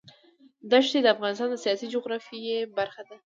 ښتې د افغانستان د سیاسي جغرافیه برخه ده.